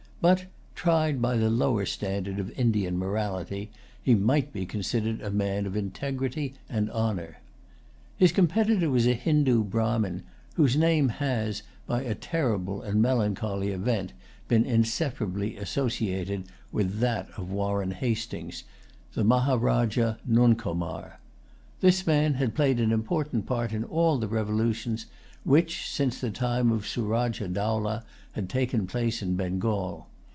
But, tried by the lower standard of Indian morality, he might be considered as a man of integrity and honor. His competitor was a Hindoo Brahmin whose name has, by a terrible and melancholy event, been inseparably associated with that of Warren Hastings, the Maharajah Nuncomar. This man had played an important part in all the revolutions which, since the time of Surajah Dowlah, had taken place in Bengal.